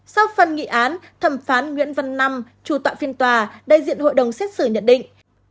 sau phần nghị án thẩm phán nguyễn văn năm chủ tọa phiên tòa đại diện hội đồng xét xử nhận định